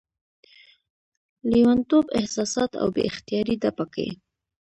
لېونتوب، احساسات او بې اختياري ده پکې